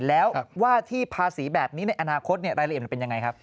แล้วว่าที่ภาษีแบบนี้ในอนาคตรายละเอียดมันเป็นยังไงครับ